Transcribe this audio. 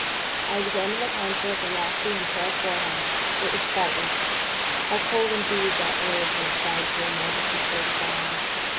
I examined the contour of the lofty and pale forehead it was faultless how cold indeed that word when applied to a majesty so divine!